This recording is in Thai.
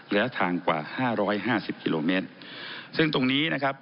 และทางกว่า๕๕๐กิโลเมตรซึ่งตรงนี้นะครับ